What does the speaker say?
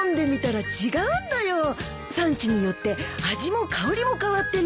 産地によって味も香りも変わってね。